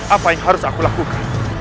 apa yang harus aku lakukan